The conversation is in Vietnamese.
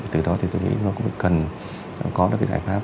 từ đó thì tôi nghĩ nó cũng cần có được cái giải pháp